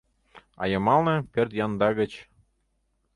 А йымалне — пӧрт янда гыч: